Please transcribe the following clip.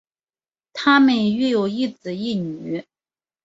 她们育有一子一女。